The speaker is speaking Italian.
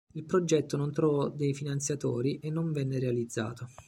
Il progetto non trovò dei finanziatori e non venne realizzato.